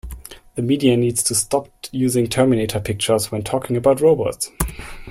The media need to stop using Terminator pictures when talking about Robots.